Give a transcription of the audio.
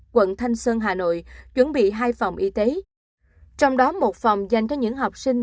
quận thanh xuân hà nội chuẩn bị hai phòng y tế trong đó một phòng dành cho những học sinh